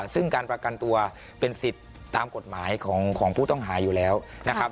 ซึ่งการประกันตัวเป็นสิทธิ์ตามกฎหมายของผู้ต้องหาอยู่แล้วนะครับ